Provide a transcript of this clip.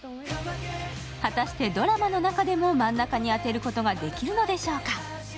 果たしてドラマの中でも真ん中に当てることができるのでしょうか。